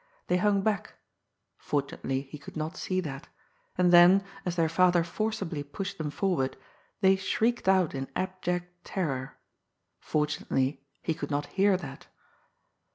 They hung back — fortunately, he could not see that — ^and then, as their father forcibly pushed them forward, they shrieked out in abject terror — ^fortunately, he could not hear that.